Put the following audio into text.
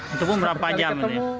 itu pun berapa jam